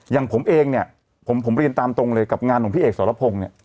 อย่างผมเองเนี่ยผมเรียนตามตรงเลยกับงานของพี่เอกสรพงศ์เนี่ย